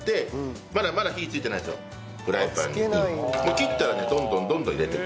切ったらねどんどんどんどん入れていく。